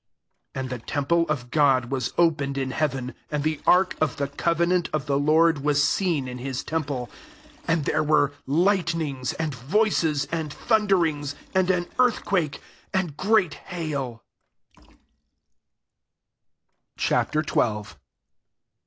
19 And the temple of God was opened in heaven, and the ark of the co venant of the Lord was seen in his temple: and there were lightnings, and voices, and thunderings, [and an earth quake,] and great haiL 404 REVELATION XII. Ch. XII.